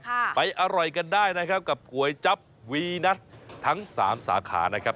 ไปอร่อยกันได้นะครับกับก๋วยจั๊บวีนัททั้งสามสาขานะครับ